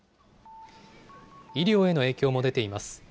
医療への影響も出ています。